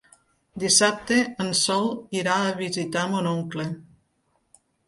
Dissabte en Sol irà a visitar mon oncle.